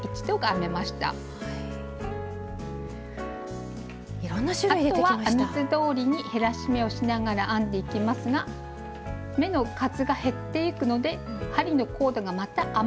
あとは編み図どおりに減らし目をしながら編んでいきますが目の数が減っていくので針のコードがまた余ってきます。